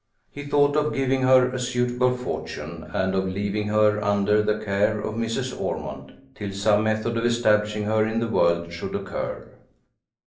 He thought of giving her a suitable fortune and of leaving her under the care of Mrs. Ormond, till some method of establishing her in the world should occur.